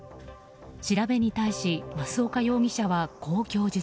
調べに対し増岡容疑者はこう供述。